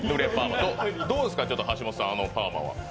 どうですか、橋本さんあのパーマは。